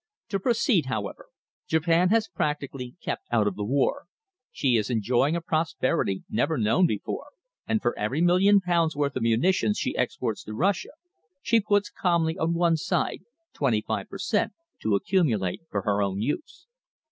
To proceed, however, Japan has practically kept out of the war. She is enjoying a prosperity never known before, and for every million pounds' worth of munitions she exports to Russia, she puts calmly on one side twenty five per cent, to accumulate for her own use.